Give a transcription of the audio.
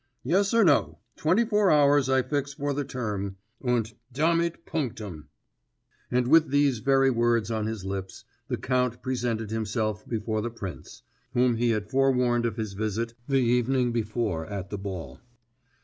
Yes or no twenty four hours I fix for the term und damit Punctum.' And with these very words on his lips, the count presented himself before the prince, whom he had forewarned of his visit the evening before at the ball.